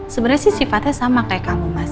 sebenarnya sih sifatnya sama kayak kamu mas